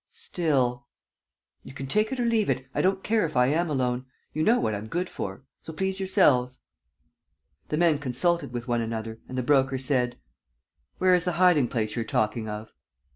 "Still ..." "You can take it or leave it. I don't care if I am alone. You know what I'm good for. So please yourselves. ..." The men consulted with one another and the Broker said: "Where is the hiding place you're talking of?"